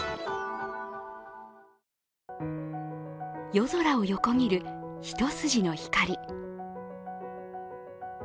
夜空を横切る一筋の光。